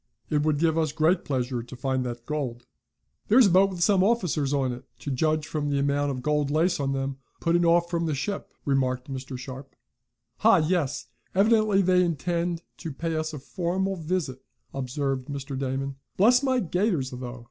It would give us great pleasure to find that gold." "There's a boat, with some officers in it, to judge by the amount of gold lace on them, putting off from the ship," remarked Mr. Sharp. "Ha! Yes! Evidently they intend to pay us a formal visit," observed Mr. Damon. "Bless my gaiters, though.